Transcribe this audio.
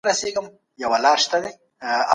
کوم فعالیتونه ستاسو ژوند ته ژوره مانا او سکون بخښي؟